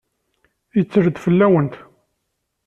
Yetter-d fell-awent.